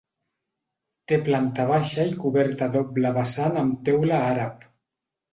Té planta baixa i coberta a doble vessant amb teula àrab.